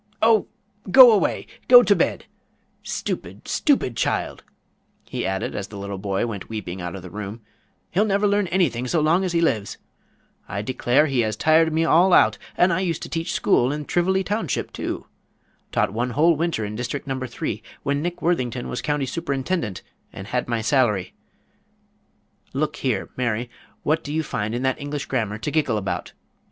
Oh, go away! Go to bed! Stupid, stupid child," he added as the little boy went weeping out of the room, "he'll never learn anything so long as he lives. I declare he has tired me all out, and I used to teach school in Trivoli township, too. Taught one whole winter in district number three when Nick Worthington was county superintendent, and had my salary look here, Mary, what do you find in that English grammar to giggle about?